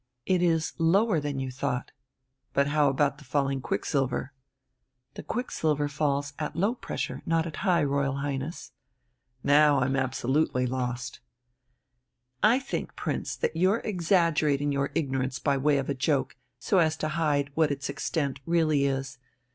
"It is lower than you thought." "But how about the falling quicksilver?" "The quicksilver falls at low pressure, not at high, Royal Highness." "Now I'm absolutely lost." "I think, Prince, that you're exaggerating your ignorance by way of a joke, so as to hide what its extent really is.